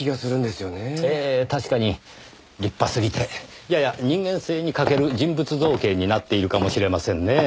ええ確かに立派すぎてやや人間性に欠ける人物造形になっているかもしれませんねぇ。